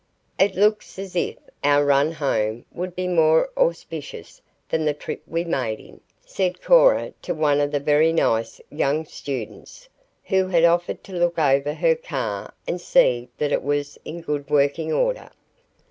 "It looks as if our run home would be more auspicious than the trip we made in," said Cora to one of the very nice young students, who had offered to look over her car and see that it was in good working order.